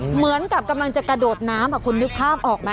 เหมือนกับกำลังจะกระโดดน้ำคุณนึกภาพออกไหม